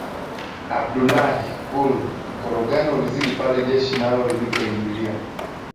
Abdullah Gul Mkorogano ulizidi pale jeshi nalo lilipoingilia